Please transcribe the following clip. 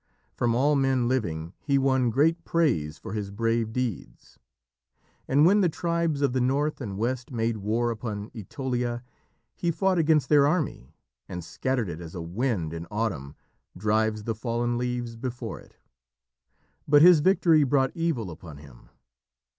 From all men living he won great praise for his brave deeds, and when the tribes of the north and west made war upon Ætolia, he fought against their army and scattered it as a wind in autumn drives the fallen leaves before it. But his victory brought evil upon him.